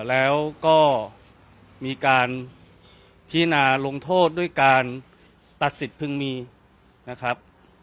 แล้วก็มีการพินาลงโทษด้วยการตัดสิทธิ์พึงมีนะครับ